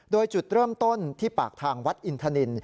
โดยจุดเริ่มต้นที่ปากทางวัดอินทนิน